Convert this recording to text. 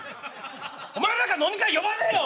お前なんか飲み会呼ばねえよ！